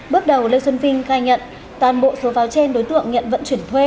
bước đầu lê xuân vinh khai nhận toàn bộ số pháo trên đối tượng nhận vận chuyển thuê